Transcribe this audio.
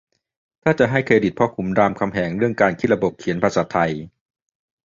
ถ้าจะให้เครดิตพ่อขุนรามคำแหงเรื่องการคิดระบบเขียนภาษาไทย